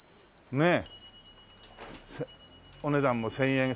ねえ。